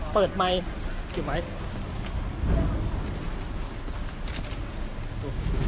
เมื่อเวลาเมื่อเวลาเมื่อเวลาเมื่อเวลา